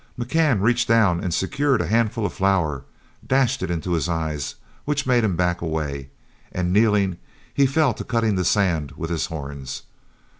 McCann reached down, and securing a handful of flour, dashed it into his eyes, which made him back away; and, kneeling, he fell to cutting the sand with his horns.